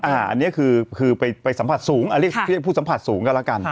อันนี้คือไปสัมผัสสูงอันนี้เรียกผู้สัมผัสสูงก็แล้วกัน